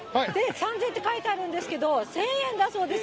３０００円って書いてあるんですけど、１０００円だそうです。